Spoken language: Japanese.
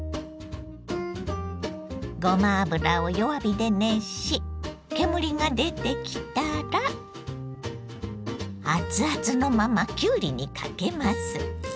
ごま油を弱火で熱し煙が出てきたらアツアツのままきゅうりにかけます。